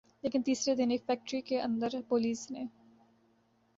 لیکن تیسرے دن ایک فیکٹری کے اندر پولیس نے